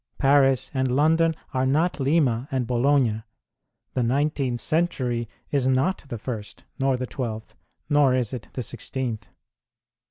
Paris and London arc not Lima and Bologna; the nineteenth century is not the first, nor the twelfth, nor is it the sixteenth.